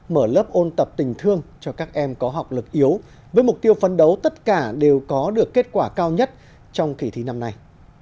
mở lớp ôn tập tình thương cho các em có học lực yếu với mục tiêu phấn đấu tất cả đều có được kết quả cao nhất trong kỳ thi năm nay